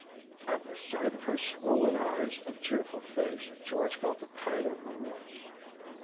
At the sight of her swollen eyes and tearful face George felt a pang of remorse.